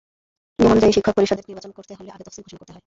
নিয়মানুযায়ী, শিক্ষক পরিষদের নির্বাচন করতে হলে আগে তফসিল ঘোষণা করতে হয়।